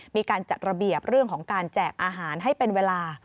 มีการจัดระเบียบเรื่องของการแจกอาหารให้เป็นเวลา